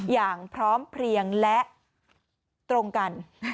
อย่างพร้อมเพลียงและตรงกัน